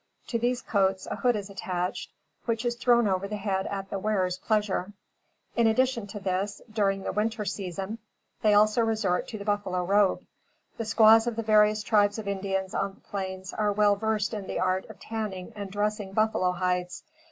To these coats a hood is attached, which is thrown over the head at the wearer's pleasure. In addition to this, during the winter season, they also resort to the buffalo robe. The squaws of the various tribes of Indians on the plains are well versed in the art of tanning and dressing buffalo hides.